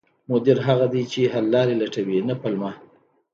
مدیر هغه دی چې حل لارې لټوي، نه پلمه